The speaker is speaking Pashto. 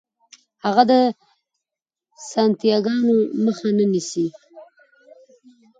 هغه د سانتیاګو مخه نه نیسي.